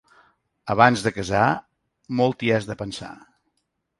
Abans de casar, molt t'hi has de pensar.